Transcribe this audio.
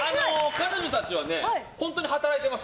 彼女たちは本当に働いてます。